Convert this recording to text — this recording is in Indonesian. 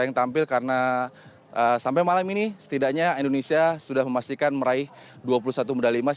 yang tampil karena sampai malam ini setidaknya indonesia sudah memastikan meraih dua puluh satu medali emas